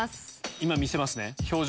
今見せますね表情